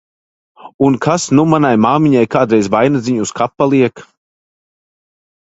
Un kas nu manai māmiņai kādreiz vainadziņu uz kapa liek!